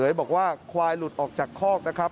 บอกว่าควายหลุดออกจากคอกนะครับ